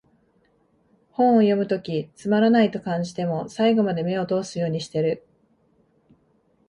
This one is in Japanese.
本を読むときつまらないと感じても、最後まで目を通すようにしてる